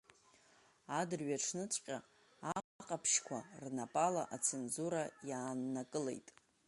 Адырҩаҽныҵәҟьа аҟаԥшьқәа рнапала, ацензура иааннакылеит.